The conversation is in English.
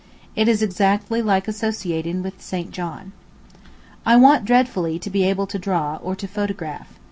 It is exactly like associating with St. John. I want dreadfully to be able to draw, or to photograph.